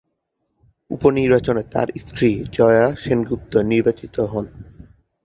উপ-নির্বাচনে তার স্ত্রী জয়া সেনগুপ্ত নির্বাচিত হন।